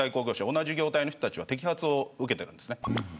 同じ業態の人たちが摘発を受けているんです。